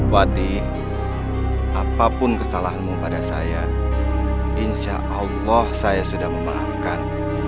wati apapun kesalahanmu pada saya insya allah saya sudah memaafkan